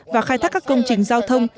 và khai thác các công trình giao thông